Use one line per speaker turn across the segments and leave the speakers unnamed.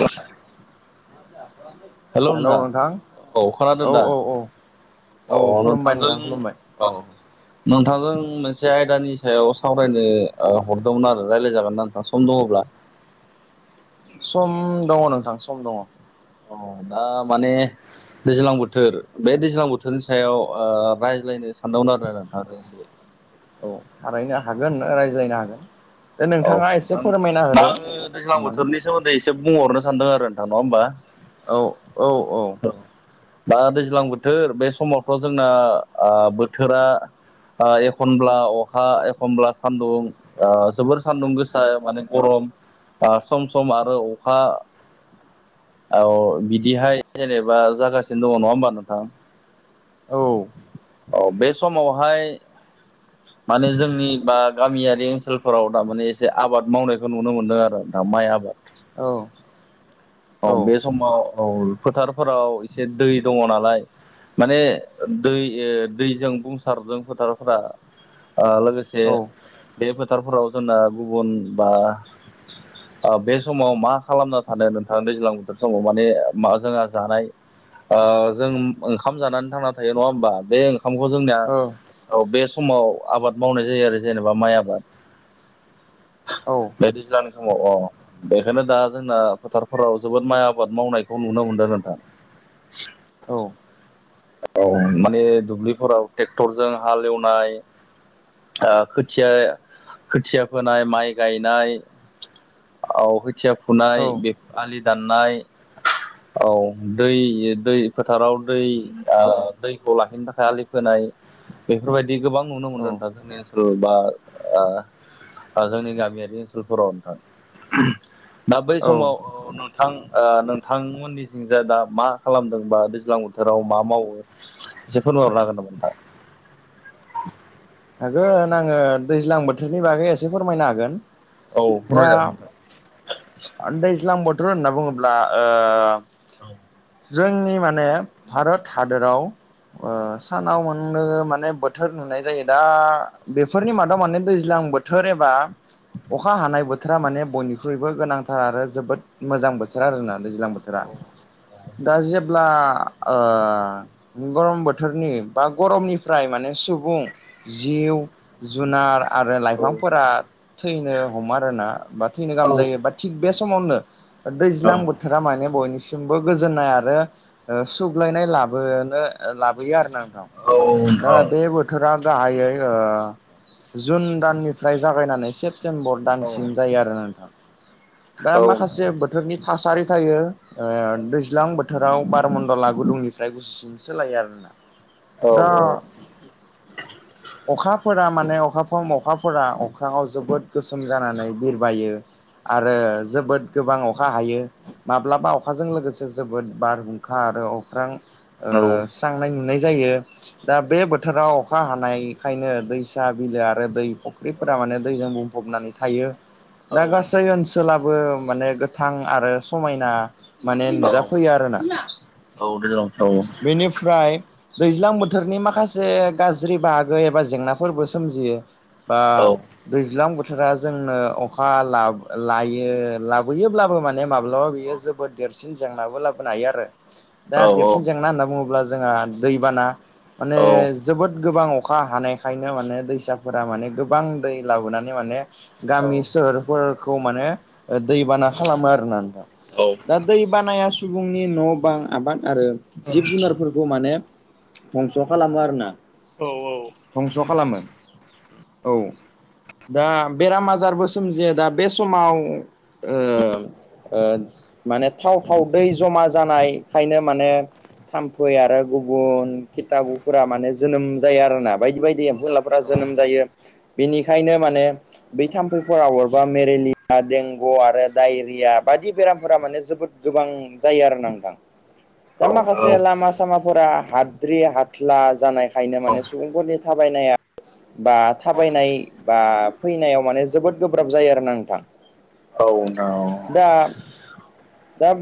फसा हेल' नोंथां
औ खोनादों
औ
दा
औ औ औ
अ
खुलुमबाय
नोंथांजों
नोंथां खुलुमबाय
औ नोंथांजों मोनसे आयदानि सायाव सावरायनो हरदोंमोन आरो रायज्लायजागोन ना नोंथाङा सम दङब्ला
सम दङ नोंथां सम दङ
अ दा माने दैज्लां बोथोर बे दैज्लां बोथोरनि सायाव ओ रायज्लायनो सानदोमोन आरोना नोंथां [unintelligible]
औ थारैनो हागोन रायज्लायनो हागोन दा
औ
नोंथाङा एसे
नोंथां
फोरमायना
दा
होदो
आङो दैज्लां
अननानै
बोथोरनि सोमोन्दै एसे बुंहरनो सानदों आरो नोंथां नङा होनबा
औ औ औ
दा दैज्लां बोथोर बे समावथ जोंना आ बोथोरा आ एखनब्ला अखा एखनब्ला सानदुं आ जोबोर सान्दुं गोसा माने गरम सम सम आरो अखा औ बिदिहाय जेनेबा जागासिनो दङ नङा होमबा नोंथां
औ
औ बे समावहाय माने जोंनि बा गामियारि ओनसोलफोराव दारमाने एसे आबाद मावनायखौ नुनो मोनदों आरो दा माइ आबाद
औ
औ बे समाव औ फोथारफोराव एसे दै दङ नालाय माने दै दैजों बुंंसारजों फोथारफोरा आ लोगोसे
औ
बे फोथारफोराव जोंना गुबुन बा बे समाव मा खालामना थानायमोन दा दैज्लां बोथोर समाव माने मा जोंहा जानाय आ जों ओंखाम जानानै थांना थायो नङा होमबा बे ओंखामखौ जोंनिया औ बे समाव आबाद मावनाय जायो आरो जेनेबा माइ आबाद
औ
बे दैज्लांनि समाव अ बेखायनो दा जोंना फोथार फोराव जोबोद माइ आबाद मावनायखौ नुनो मोनदों नोंथां औ माने दुब्लिफोराव ट्रेक्टरजों हालेवनाय खोथिया खोथिया फोनाय माइ गायनाय औ खोथिया फुनाय
औ
बे आलि दाननाय औ दै दै फोथाराव दै आ दैखौ लाखिनो थाखाय आलि खोनाय बेफोरबायदि गोबां नुनो मोनदों
औ
नोंथा जोंनि ओनसोलाव दा ओ जोंनि गामियारि ओनसोलफोराव नोंथां दा बै
औ
समाव थां नोंथांमोननिथिं जाय दा मा खालामदोंबा दैज्लां बोथोराव मा मावो एसे फोरमायहरनो हागोन नामा नोंथां
हागोन आङो दैज्लां बोथोरनि बागै एसे फोरमायनो हागोन
औ
दा
फोरमायजागोन
दैज्लां बोथोर होनना बुङोब्ला आ
औ
जोंनि माने भारत हादराव ओ सानाव मोननो माने बोथोर नुनाय जायो दा बेफोरनि मादाव माने दैज्लां बोथोर एबा अखा हानाय बोथोरा माने बयनिख्रुइबो गोनांथार आरो जोबोद मोजां बोथोर आरोना दैज्लां बोथोरा दा जेब्ला गरम बोथोरनि बा गरमनिफ्राय माने सुबुं जिउ जुनार आरो
औ
लाइफांफोरा थैनो हमो आरोना बा थैनो
औ नोंथां औ
गाहाम जायो बा थिग बे समावनो दैज्लां
नोंथां
बोथोरा माने बयनिसम सिमबो गोजोननाय आरो सुग्लायनाय लाबोनो लाबोयो आरोना
औ
दा बे बोथोरा गाहायै ओ जुन दाननिफ्राय जागायनानै सेप प्तेम्बर दानसिम जायो आरो नोंथां दा माखासे बोथोर बोथोरनि थासारि थायो ओ दैज्लां बोथोराव बारमणडला गुदुंनिफ्राय गुसुसिम सोलायो आरोना
औ
दा
औ
अखाफोरा माने अखाफ्रो अखाफोरा अख्राङाव जोबोद गोसोम जानानै बिरबायो आरो जोबोद गोबां अखा हायो माब्लाबा अखाजों लोगोसे जोबोद बारहुंखा आरो अख्रां ओ स्रांनाय नुनाय जायो दा बे बोथोराव अखा हानायखायनो दैसा बिलो आरो दै फुख्रिफोरा माने दैजों बुंफबनानै थायो
औ
दा गासै ओनसोलाबो माने गोथां आरो समायना माने
औ
नुजाफैयो आरोना
औ दैज्लां बोथोराव
बेनिफ्राय दैज्लां बोथोरनि माखासे गाज्रि बाहागो एबा जेंनाफोरबो सोमजियो बा
औ
दैज्लां बोथोरा जोंनो अखा लायो लाबोयोब्लाबो माने माबा बियो जोबोद देरसिन जेंनाबो लाबोनो हायो आरो दा
औ
देरसिन जेंना होनना बुङोब्ला जोंहा दैबाना माने जोबोद गोबां अखा हानायखायनो माने दैसाफोरा माने गोबां दै लाबोनानै माने
औ
गामि सोहोरफोरखौ माने दैबाना खालामो आरोना नोंथां
औ
दा दै बानाया सुबुंनि न' बां आबाद आरो जिब जुनारफोरखौ माने दंस' खालामो आरो ना
औ औ
धंस' खालामो औ दा बेराम आजारबो सोमजियो दा बे समाव माने थाव थाव दै जमा जानायखायनो माने थाम्फै आरो गुबुन खिथाबुफोरा माने जोनोम जायो आरोना बायदि बायदि एम्फौ एनलाफोर जोनोम जायो बेनिखायनो माने बै थाम्फैफोरा अरबा मेलेलिया देंगु आरो दडायरिया बायदि बेरामफोरा माने जोबोद गोबां जायो आरो न आंदां दा
औ
माखासे
न
लामा सामाफोरा हाद्रि हाथ्ला जानाय ओंखायनो माने सुबुंफोरनि थाबायनाया बा थाबायनाय बा फैनायाव माने जोबोद गोब्राब जायो आरो ना नोंथां
औ ना
दा दा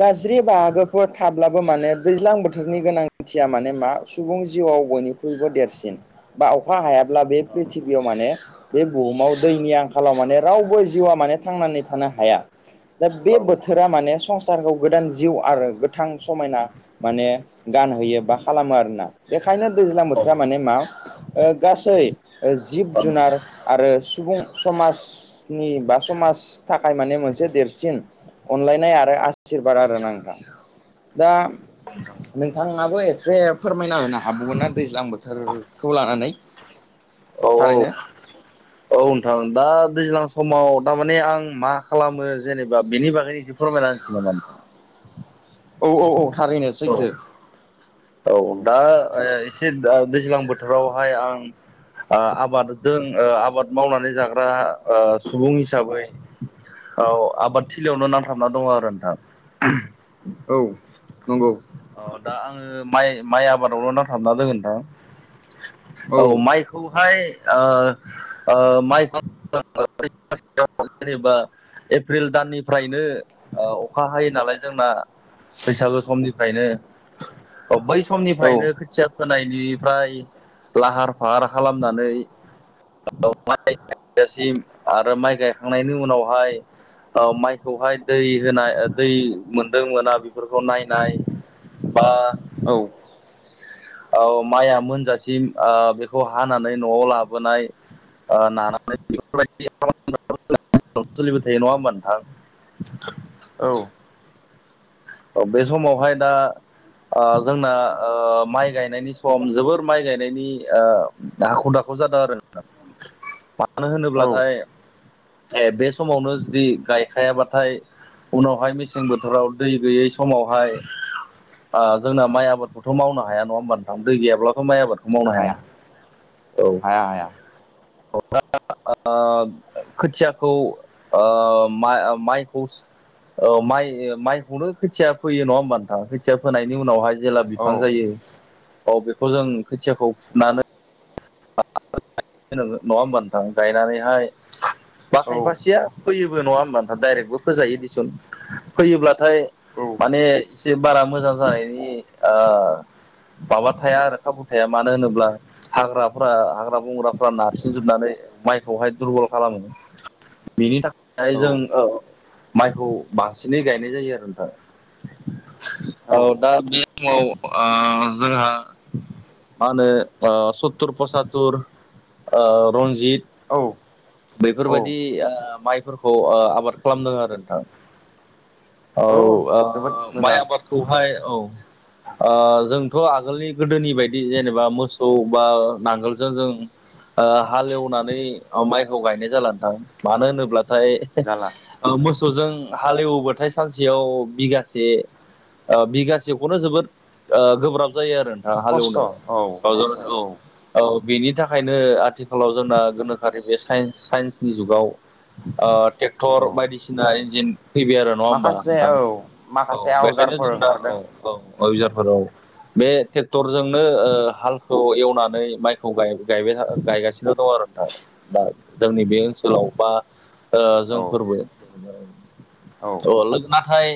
गाज्रि बाहागोफोर थाब्लाबो माने दैज्लां बोथोरनि गोनांथिया माने मा सुबुं जिउआव बयनिख्रुइबो देरसिन बा अखा हायाब्ला बे प्रिथिबियाव माने बे बुहुमाव दैनि आंखालाव माने रावबो जिउआ माने थांनानै थानो हाया दा
औ
बे बोथोरा माने संसारखौ गोदान जिउ आरो गोथां समायना माने गानहैयो बा खालामो आरोना बेखायनो दैज्लां बोथोरा माने मा गासै जिब जुनार आरो सुबुं समाज नि बा समाज थाखाय माने मोनसे देरसिन अनलायनाय आरो आसिरबाद आरो ना नोंथां नोंथाङाबो एसे फोरमायना होनो हाबावोन ना दैज्लां बोथोरखौ लानानै
औ औ
थारैनो
औ नोंथां दा दैज्लां समाव थारमाने आं मा खालामो जेनेबा बेनि बागैनो एसे फोरमायनानैसै जनोबथा [unintelligible]
औ औ औ थारैनो सैथो
औ दा एसे दैज्लां बोथोरावहाय आं आबादजों आबाद मावनानै जाग्रा सुबुं हिसाबै औ आबाद थिलियावनो नांथाबना दङ आरो नोंथां
औ नंगौ
अ दा आङो माइ माइ आबादावल' नांथाबना दोगोनोंथां औ माइखौहाय माइखौ जेनेबा एप्रिल दाननिफ्रायनो अखा हायो नालाय जोंना बैसागु समनिफ्रायनो औ बै
औ
समनिफ्रायनो खोथिया फोनाय बिनिफ्राय लाहार फाहार खालामनानै गसिम आरो माइ गायखांनायनि उनावहाय माइखौहाय दै होनाय दै मोनदों मोना बेफोरखौ नायनाय बा
औ
अ माया मोनजासिम बेखौ हानानै न'आव लाबोनाय ओ नानानै बेफोरबायदि सोलिबाय थायो नङा होमबा नोंथां
औ
औ बे समावहाय दा ओ जोंना माइ गायनायनि सम जोबोर माइ गायनायनि [unintelligible] जादों आरो नोंथां मानो
औ
होनोब्लाथाय ए बे समावनो जुदि गायखायाबाथाय उनावहाय मेसें बोथोराव दै गैयै समावहाय आ जोंना माइ आबादखौथ' मावनो हाया नङा होमबा नोंथां दै गैयाब्लाथ' माइ आबाद मावनो हाया औ
हाया हाया
औ दा ओ खोथियाखौ ओ मा माइ औ माइ माइखौनो खोथिया फोयो नङा होमबा नोंथां खोथिया फोनायनि उनावहाय जेला
औ
बिफां जायो औ बेखौ जों खोथियाखौ फुनानै नङा होमबा नोंथां गायनानैहाय बा
औ औ
खायफासे फोयोबो नङा होमबा नाथाय दाइरेक्टबो फोजायो दिसुन फोयोब्लाथाय
औ
माने एसे बारा मोजां जानायनि माबा थाया आरो खाबु थाया मानो होनोब्ला हाग्राफोरा हाग्रा बंग्राफ्रा नारसिनजोबनानै माइखौहाय दुरबल खालामो बेनि थाखाय जों औ माइखौ बांसिनै गायनाय जायो आरो नोंथां औ दा बे समाव ओ जोंहा मा होनो ओ सत्तुर पसत्तुर ओ रन्जित
औ
बेफोरबायदि ओ माइफोरखौ ओ आबाद खालामदों आरो नोंथां औ आ
जोबोद
माय
मोजां
आबाद खौहाय औ ओ जोंथ' आगोलनि गोदोनि बायदि जेनेबा मोसौ बा नांगोलजों जों ओ हालेवनानै माइखौ गायनाय जाला नोंथां मानो होनोब्लाथाय
जाला
औ मोसौजों हालेवबाथाय सानसेयाव बिगासे ओ बिगासेखौनो जोबोद गोब्राब जायो आरो नोंथां हालेवनो औ जागोन औ औ बेनि थाखायनो आथिखालाव जोंना गोनोखोआरि बे साइन्स साइन्सनि जुगाव ओ
औ
ट्रेक्टर बायदिसिना इन्जिन फैबाय आरो नङा होमबा नोंथां औ
माखासे
बेखायनो
आवजारफोर
जों दा औ
ओंखारदों
औ [unintelligible] बे ट्रेक्टरजों नो ओ हालखौ एवनानै माइखौ गायबाय गायगासिनो दं आरो नोंथां दा जोंनि बे ओनसोलाव बा ओ
औ
जोंफोरबो अ
औ
लो नाथाय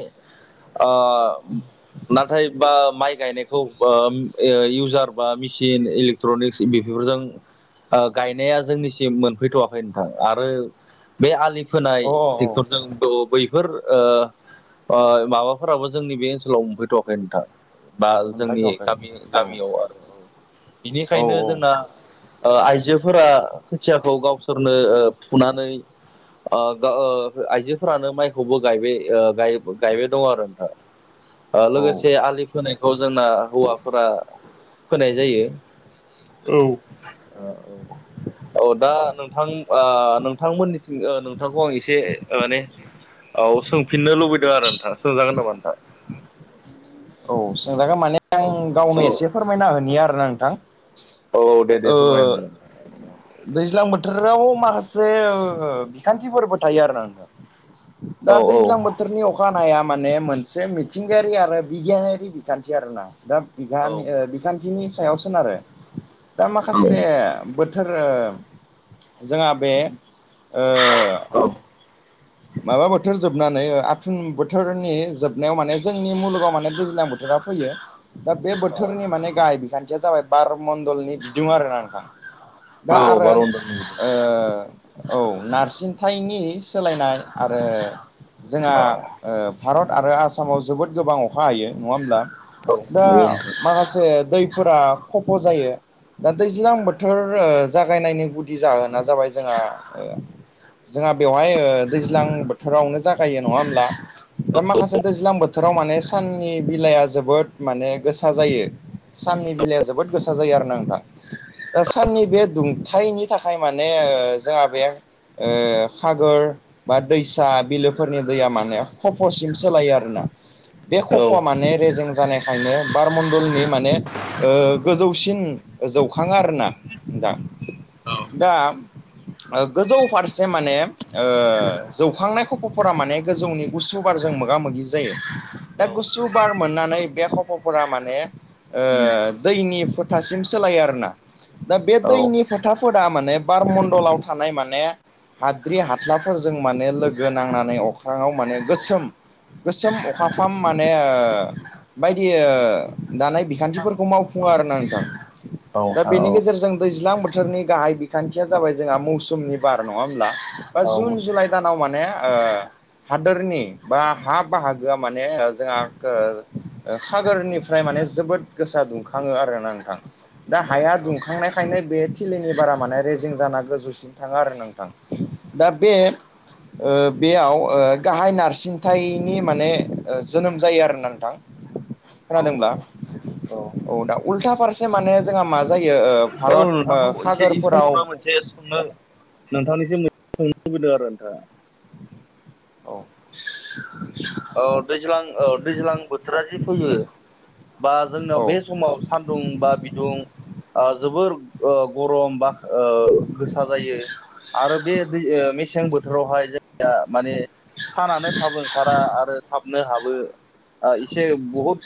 अ नाथाय बा माइ गायनायखौ ओ ओ इउजार बा मेसिन इलेक्ट्रनिक्स बेफोरजों ओ गायनाया जोंनिसिम मोनफैथ'वाखै नोंथां आरो बे आलि खोनाय
औ औ
जोंखौ बैफोर ओ ओ माबाफोराबो जोंनि बे ओनसोलाव मोनफैथ'वाखै नोंथां बा
मोनबाय
जोंनि
दहाय
गामि
औ
गामियाव आरो औ
औ
बिनिखायनो जोंना ओ आइजोफोरा खोथियाखौ गावसोरनो ओ फुनानै ओ आइजोफोरानो माइखौबो गायबाय गायबाय दङ आरो नोंथा ओ
औ
लोगोसे आलि खोनायखौ जोंना हौवाफोरा खोनाय जायो
औ
अ औ औ दा नोंथां ओ नोंथांमोननिथिं नोंथांखौ आं एसे माने औ सोंफिननो लुबैदों आरो नोंथां सोंजागोन नामा नोंथां
औ सोंजागोन माने
औ
आं गावनो एसे फोरमायना होनि आरोना नोंथां
औ औ दे दे
ओ
फोरमाय होमबालाय
दैज्लां बोथोराव माखासे ओ बिखान्थिफोरबो थायो आरो नोंथां
[inaudible]
दा दैज्लां बोथोरनि अखानाया माने मोनसे मिथिंगायारि आरो बिगियानारि बिखान्थि आरोना दा बिखान्थिनि सायाव सोनारो दा माखासे बोथोर जोंहा बे ओ
औ
माबा बोथोर जोबनानै आथुन बोथोरनि जोबनायाव माने जोंनि मुलुगाव माने दैज्लां बो रा फैयो दा बे बोथोरनि माने गाहाय बिखान्थिया जाबाय बार मणडलनि बिदुं आरोना नोंथां दा
औ
आरो
बार' मण्डलनि गिदिं
ओ औ नारजिनथायनि सोलायनाय आरो जोंहा ओ भारत आरो आसामाव जोबोद गोबां अखा हायो नङा होमब्ला
औ
दा
नंगौ नोंथां
माखासे दैफोरा खफ' जायो दा दैज्लां बोथोर ओ जागायनायनि गुदि जाहोना जाबाय जोंहा जोंहा बेवहाय ओ दैज्लां बोथोरावनो जायो नङा होनब्ला दा माखासे दैजां बोथोराव माने साननि बिलाइआ जोबोद माने गोसा जायो साननि बिलाइया जोबोद गोसा जायो आरो ना नोंथां
[inaudible]
दा साननि बे दुंथनि थाखाय माने जोंहा बे ओ खागोर बा दैसा बिलोफोरनि दैया माने खफ'सिम सोलायो आरोना बे
औ
खफ'आ माने रेजें जानायखायनो बारमण्डलनि माने ओ गोजौसिन जौखाङा आरोना दा दा गोजौ फारसे माने ओ जौखांनाय खफ'फोरा माने गोजौनि गुसुबारजों मोगा मोगि जायो दा
उम औ
गुसु बार मोननानै बे खफ'फोरा माने ओ दैनि फोथासिम सोलायो आरोना दा बे
औ
दैनि फोथा फोरा माने बारम्लाव थानाय माने हाद्रि हा गख्लाफोरजों माने लोगो नांनानै अख्राङाव माने गोसोम गोसोम अखाफ्राम माने बायदि दानाय खान्थिफोरखौ मावफुङो
औ
आरोना नोंथां दा
नोंथां औ
बेनि गेजेरजों दैज्लां बो बोथोरनि गाहाय बिखान्थिया जाबाय जोंहा मौसुमनि बार नङा होमब्ला बा
औ
जुन
मोसौ औ
जुलाइ दानाव
नोंथां
माने ओ हादोरनि बा हा बाहागोआ माने जोंहा हागोरनिफ्राय माने जोबोद गोसा दुंखाङो आरोना नोंथां दा हाया
औ
दुंखांनायखायनो बे थिलिनि बारा माने रेजिं जाना गोजौसिन थाङो आरो नोंथां दा बे बेयाव गाहाय नारसिनथायनि माने जोनोम जायो आरो नोंथां
[inaudible]
खोनादोंब्ला औ दा उल्था फारसे माने जोंहा मा जायो ओ‌
औ
भारत ओ खागोरफोराव
नों नोंथांनिसिम मोनसे सोंनो लुबैदों आरो नोंथां
औ
औ दैज्लां औ दैज्लां बोथोरा जि फैयो बा जोंनाव
औ
बे समाव सान्दुं बा बिदुं ओ जोबोर ओ गरम बा ओ गोसा जायो आरो बे दै ओ मेसें बोथोरावहाय जोंनिआ माने सानानो थाबो ओं बा आरो थाब नों हाबो ओ एसे बहुद